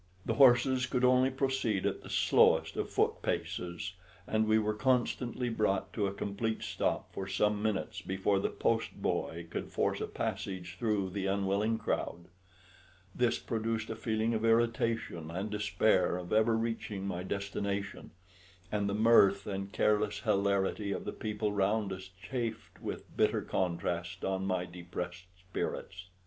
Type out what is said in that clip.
The horses could only proceed at the slowest of foot paces, and we were constantly brought to a complete stop for some minutes before the post boy could force a passage through the unwilling crowd. This produced a feeling of irritation, and despair of ever reaching my destination; and the mirth and careless hilarity of the people round us chafed with bitter contrast on my depressed spirits.